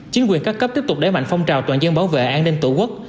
chính quyền các cấp tiếp tục đẩy mạnh phong trào toàn dân bảo vệ an ninh tổ quốc